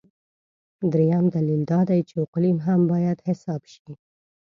درېیم دلیل دا دی چې اقلیم هم باید حساب شي.